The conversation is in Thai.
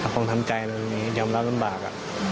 เราคงทำใจเรื่องนี้ยอมรับลำบาก